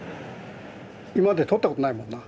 今まで撮ったことないもんな。